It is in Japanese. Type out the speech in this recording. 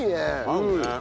合うね。